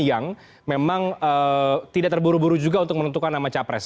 yang memang tidak terburu buru juga untuk menentukan nama capres